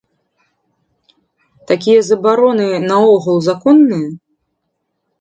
Такія забароны наогул законныя?